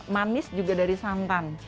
manis juga dari santan